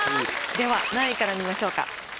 では何位から見ましょうか？